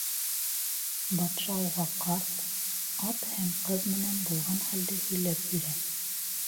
Батша уға ҡарт, ат һәм ҡыҙ менән булған хәлде һөйләп бирә.